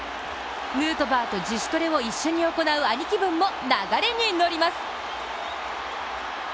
ヌートバーと自主トレを一緒に行う兄貴分も流れに乗ります。